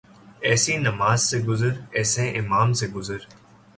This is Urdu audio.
ایسی نماز سے گزر ، ایسے امام سے گزر